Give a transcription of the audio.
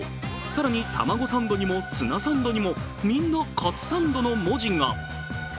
更に、たまごサンドにもツナサンドにも、みんな「カツサンド」の文字が。